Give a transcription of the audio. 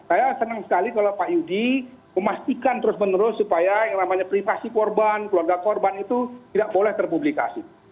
saya senang sekali kalau pak yudi memastikan terus menerus supaya yang namanya privasi korban keluarga korban itu tidak boleh terpublikasi